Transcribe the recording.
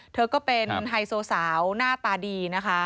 เธอก็เป็นไฮโซสาวหน้าตาดีนะคะ